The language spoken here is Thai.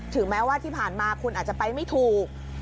แม้ว่าที่ผ่านมาคุณอาจจะไปไม่ถูก